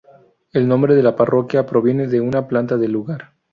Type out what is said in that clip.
El nombre de la parroquia proviene de una planta del lugar.